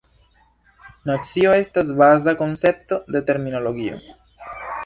Nocio estas baza koncepto de terminologio.